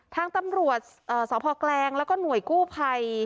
ทั้งตำรวจเอ่อสพแกแล้วก็หน่วยกู้ภัย